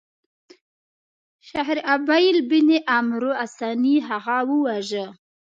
شهرابیل بن عمرو غساني هغه وواژه.